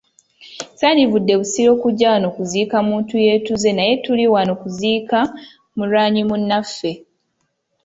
Sandivudde Busiro kujja wano kuziika muntu yeetuze naye tuli wano okuziika mulwanyi munnaffe.